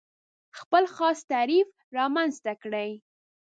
خپل خاص تعریف رامنځته کړي.